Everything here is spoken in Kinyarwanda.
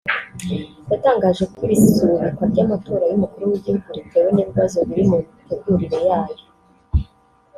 yatangaje ko iri subikwa ry’amatora y’Umukuru w’Igihugu ritewe n’ibibazo biri mu mitegurire yayo